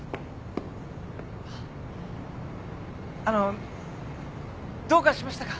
あのどうかしましたか？